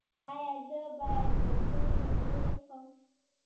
ایا زه باید د کوهي اوبه وڅښم؟